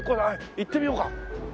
行ってみようか。